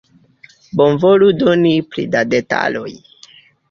Bonvolu doni pli da detaloj